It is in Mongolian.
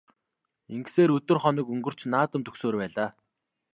Ингэсээр өдөр хоног өнгөрч наадам дөхсөөр байлаа.